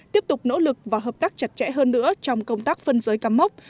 tiếp tục nỗ lực và hợp tác chặt chẽ hơn nữa trong công tác phân giới cắm mốc